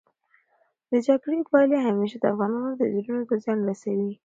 د جګړې پايلې همېشه د افغانانو زړونو ته زیان رسوي.